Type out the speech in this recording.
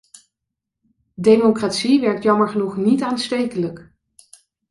Democratie werkt jammer genoeg niet aanstekelijk!